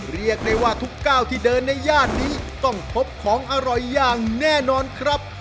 เรียกได้ว่าทุกก้าวที่เดินในย่านนี้ต้องพบของอร่อยอย่างแน่นอนครับ